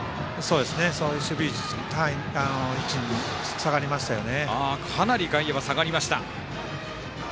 そういう守備位置に下がりましたよね。